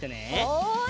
はい。